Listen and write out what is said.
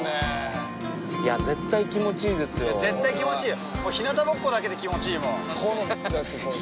絶対気持ちいいよ。